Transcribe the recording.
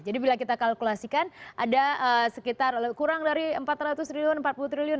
jadi bila kita kalkulasikan ada sekitar kurang dari empat ratus triliun empat puluh triliun